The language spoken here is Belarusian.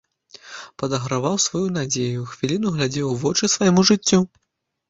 Падаграваў сваю надзею, хвіліну глядзеў у вочы свайму жыццю.